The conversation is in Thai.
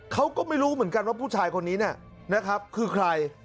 เขาก็ไม่รู้เหมือนกันว่าผู้ชายคนนี้นะครับคือใคร